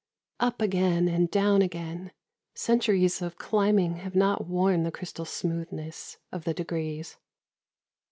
Up again and down again : centuries of climbing have not worn the crystal smoothness of the degrees.